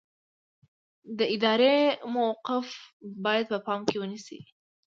د ادارې موقف باید په پام کې ونیسئ.